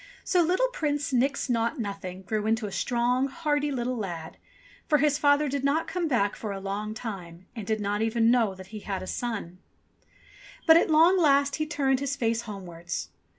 So little Prince Nix Naught Nothing grew into a strong, hearty little lad ; for his father did not come back for a long time, and did not even know that he had a son. 179 i8o ENGLISH FAIRY TALES But at long last he turned his face homewards.